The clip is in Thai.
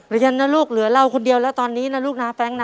เรียนนะลูกเหลือเราคนเดียวแล้วตอนนี้นะลูกนะแป๊งนะ